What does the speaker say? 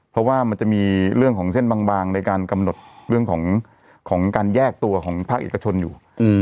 เพราะว่ามันจะมีเรื่องของเส้นบางในการกำหนดเรื่องของการแยกตัวของภาคเอกชนอยู่